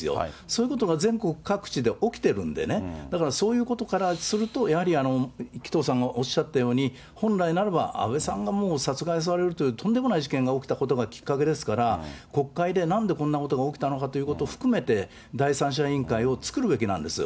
そういうことが全国各地で起きてるんでね、だから、そういうことからすると、やはり紀藤さんがおっしゃったように、本来ならば、安倍さんがもう殺害されるというとんでもない事件が起きたことがきっかけですから、国会でなんでこんなことが起きたのかということを含めて、第三者委員会を作るべきなんです。